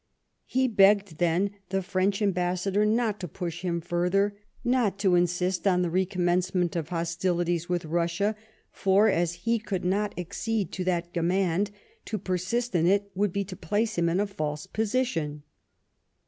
He begged, then, the French am bassador not to push him further ; not to insist on the recommencement of hostilities with Hussia, for, as he could not accede to that demand, to persist in it would be to place him in a false position.